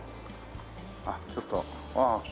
あっちょっとああ。